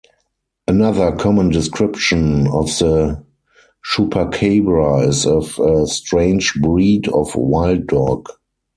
Another common description of the chupacabra is of a strange breed of wild dog.